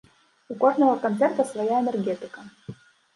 У кожнага канцэрта свая энергетыка.